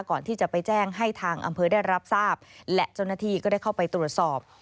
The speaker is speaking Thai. ก่อนที่จะไปแจ้งให้ทางอำเภอได้รับทราบและเจ้าหน้าที่ก็ได้เข้าไปตรวจสอบ